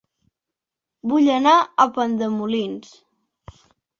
Vull anar a Pont de Molins